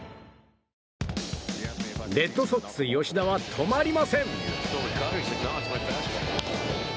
レッドソックス、吉田は止まりません！